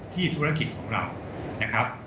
ธุรกิจของเรานะครับ